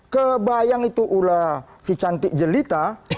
kebayang itu ulah si cantik jelita